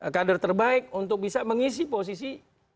kader terbaik untuk bisa mengisi posisi